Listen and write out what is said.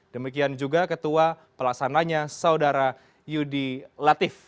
demikian juga ketua pelaksananya saudara yudi latif